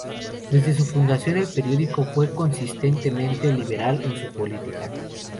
Desde su fundación, el periódico fue conscientemente liberal en su política.